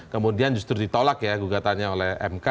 kemudian justru ditolak ya gugatannya oleh mk